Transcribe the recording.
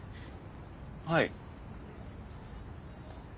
はい。